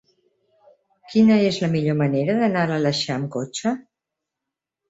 Quina és la millor manera d'anar a l'Aleixar amb cotxe?